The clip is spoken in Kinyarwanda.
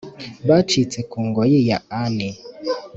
bacike kungoyi ya ani